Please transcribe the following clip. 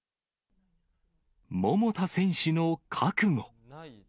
桃田選手の覚悟。